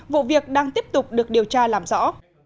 vụ việc đang tiếp tục được điều tra làm rõ